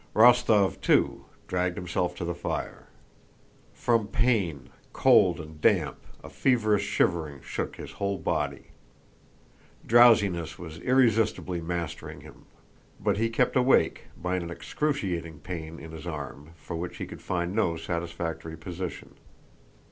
Rostóv, too, dragged himself to the fire. From pain, cold, and damp, a feverish shivering shook his whole body. Drowsiness was irresistibly mastering him, but he kept awake by an excruciating pain in his arm, for which he could find no satisfactory position.